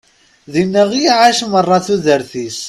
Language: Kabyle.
Dina i iɛac meṛṛa tudert-is.